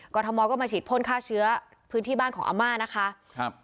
ทมก็มาฉีดพ่นฆ่าเชื้อพื้นที่บ้านของอาม่านะคะครับ